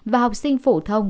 và học sinh phổ thông